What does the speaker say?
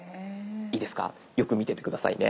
いいですかよく見てて下さいね。